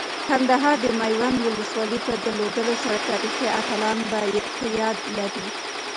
کندهار د میوند ولسوالۍ په درلودلو سره تاریخي اتلان په یاد لري.